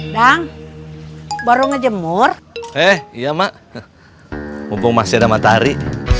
dah baru ngejemur eh iya mak mumpung masih ada matahari